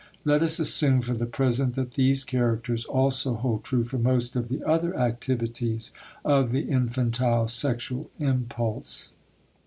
Let us assume for the present that these characters also hold true for most of the other activities of the infantile sexual impulse.